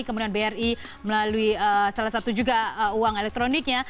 kemudian bri melalui salah satu juga uang elektroniknya